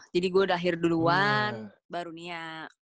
jadi gue udah hear duluan baru niat